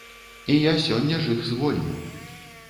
І я сёння ж іх звольню.